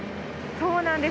そうなんです。